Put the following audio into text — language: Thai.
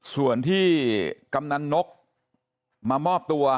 ส่วนที่กำนันนกมามอบตัว